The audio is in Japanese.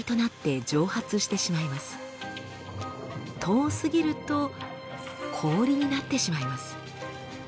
遠すぎると氷になってしまいます。